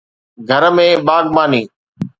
گهر ۾ باغباني